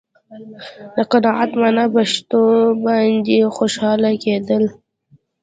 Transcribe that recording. د قناعت معنا په شتو باندې خوشاله کېدل.